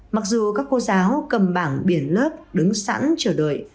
mặc dù các cô giáo cầm bảng biển lớp đứng sẵn chờ đợi